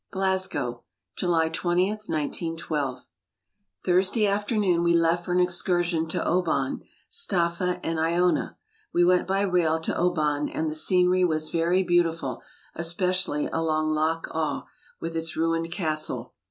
Glasgow.July 20, 1912 Thursday afternoon we left for an excursion to Oban, Staffa, and lona. We went by rail to Oban and the scenery was very beautiful, especially along Loch Awe, with its ruined castle.